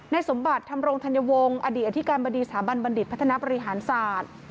สมบัติธรรมรงธัญวงศ์อดีตอธิการบดีสถาบันบัณฑิตพัฒนาบริหารศาสตร์